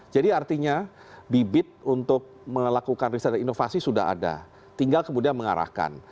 jadi artinya bibit untuk melakukan riset dan inovasi sudah ada tinggal kemudian mengarahkan